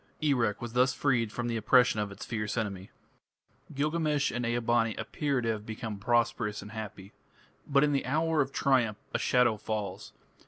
Erech was thus freed from the oppression of its fierce enemy. Gilgamesh and Ea bani appear to have become prosperous and happy. But in the hour of triumph a shadow falls.